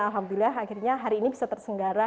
alhamdulillah akhirnya hari ini bisa tersenggara halal bialal